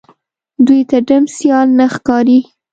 دوی ته ډم سيال نه ښکاري